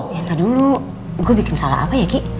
ya entah dulu gue bikin salah apa ya ki